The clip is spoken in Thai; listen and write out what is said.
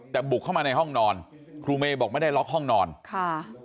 แต่บุกเข้ามาในห้องนอนครูเมย์บอกไม่ได้ล็อกห้องนอนค่ะ